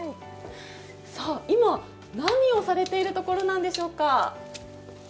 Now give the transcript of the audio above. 今、何をされているところなんでしょうか？